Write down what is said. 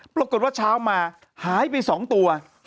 ปรากฏว่าเช้ามาหายไป๒ตัว